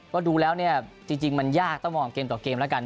ก็ดูแล้วเนี่ยจริงมันยากต้องมองเกมต่อเกมแล้วกัน